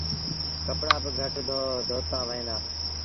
ڪپڙآ با گھٽ دوتآ وهيݩ دآ۔